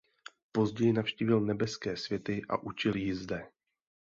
Později navštívil nebeské světy a učil ji zde.